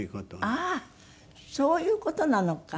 ああそういう事なのか。